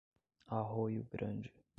Arroio Grande